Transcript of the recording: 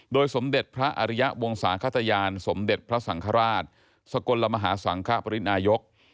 สมเด็จพระอริยะวงศาขตยานสมเด็จพระสังฆราชสกลมหาสังคปรินายก